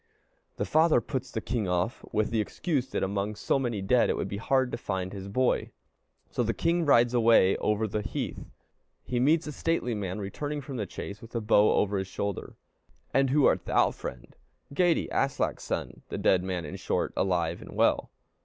The father puts the king off with the excuse that among so many dead it would be hard to find his boy. So the king rides away over the heath. He meets a stately man returning from the chase, with a bow over his shoulder. "And who art thou, friend?" "Geyti, Aslak's son." The dead man, in short, alive and well.